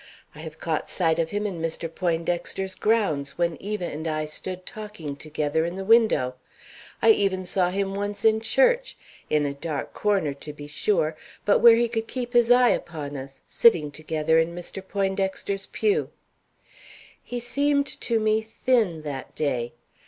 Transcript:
I have caught sight of him in Mr. Poindexter's grounds when Eva and I stood talking together in the window. I even saw him once in church, in a dark corner, to be sure, but where he could keep his eye upon us, sitting together in Mr. Poindexter's pew. He seemed to me thin that day.